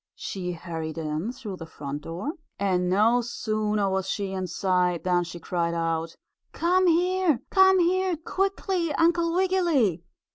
She hurried in through the front door and no sooner was she inside than she cried out: "Come here! Come here, quickly, Uncle Wiggily!